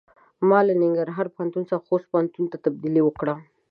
ما له ننګرهار پوهنتون څخه خوست پوهنتون ته تبدیلي وکړۀ.